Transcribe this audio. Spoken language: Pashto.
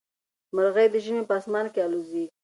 مرغۍ د ژمي په اسمان کې الوزي.